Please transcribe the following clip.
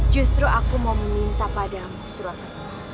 justru aku mau meminta padamu surat